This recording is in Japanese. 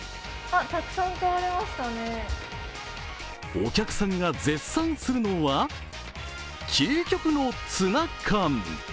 お客さんが絶賛するのは究極のツナ缶。